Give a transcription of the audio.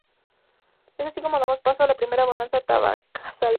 Es así como damos paso a la primera bonanza tabacalera.